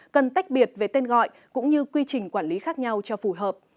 cần tách biệt về tên gọi cũng như quy trình quản lý khác nhau cho phù hợp